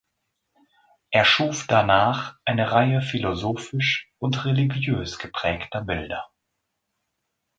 Er schuf danach eine Reihe philosophisch und religiös geprägter Bilder.